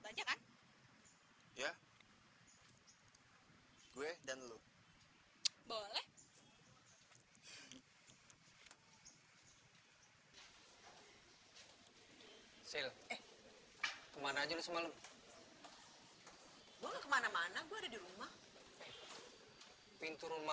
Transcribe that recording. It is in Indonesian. hai sel kemarin semalam hai gue kemana mana gue di rumah pintu rumah